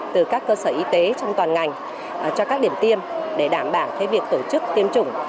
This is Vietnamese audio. từ các cơ sở y tế trong toàn ngành cho các điểm tiêm để đảm bảo việc tổ chức tiêm chủng